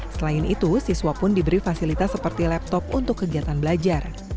selain itu siswa pun diberi fasilitas seperti laptop untuk kegiatan belajar